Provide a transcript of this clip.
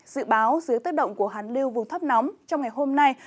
dự báo dưới tất động của hàn lưu vùng thấp nóng trong ngày hôm nay